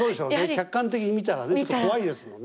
客観的に見たらねちょっと怖いですもんね。